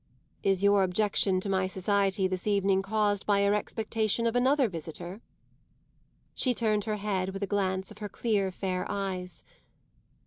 "Is your objection to my society this evening caused by your expectation of another visitor?" She turned her head with a glance of her clear, fair eyes.